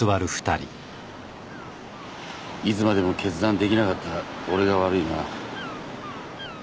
いつまでも決断できなかった俺が悪いな。